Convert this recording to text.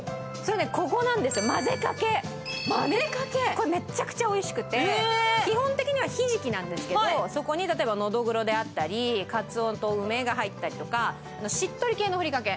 これ、めっちゃくちゃおいしくて、基本的にはひじきなんですけど、そこに例えばのどぐろであったりかつおと梅が入ったりとかしっとり系のふりかけ。